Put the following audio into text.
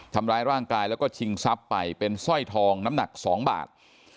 ทำร้ายร่างกายแล้วก็ชิงทรัพย์ไปเป็นสร้อยทองน้ำหนัก๒บาท